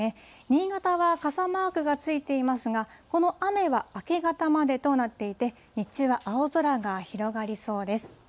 新潟は傘マークがついていますが、この雨は明け方までとなっていて、日中は青空が広がりそうです。